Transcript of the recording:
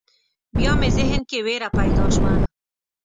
بیا مې ذهن کې وېره پیدا شوه.